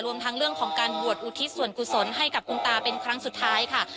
รวมทั้งเรื่องของการบวชอุทิศส่วนกุศลให้กับคุณตาเป็นครั้งสุดท้ายค่ะ